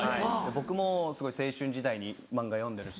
僕もすごい青春時代に漫画読んでるし。